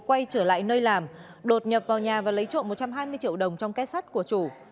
quay trở lại nơi làm đột nhập vào nhà và lấy trộm một trăm hai mươi triệu đồng trong kết sắt của chủ